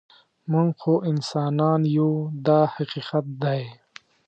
موږ خو انسانان یو دا حقیقت دی.